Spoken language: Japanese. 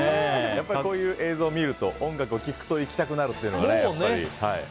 こういう映像を見ると音楽を聴くと行きたくなるっていうのがね。